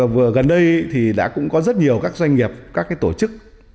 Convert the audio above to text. vừa gần đây thì đã cũng có rất nhiều các doanh nghiệp các tổ chức